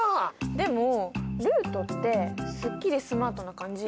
でもルートってすっきりスマートな感じ。